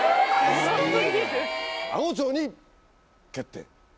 阿児町に決定。